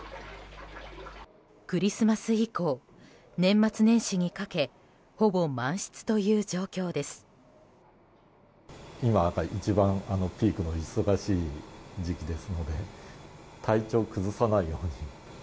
クリスマス以降、年末年始にかけほぼ満室という状況です。